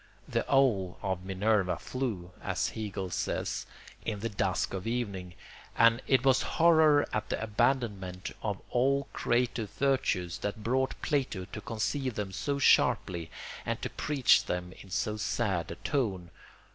The owl of Minerva flew, as Hegel says, in the dusk of evening; and it was horror at the abandonment of all creative virtues that brought Plato to conceive them so sharply and to preach them in so sad a tone.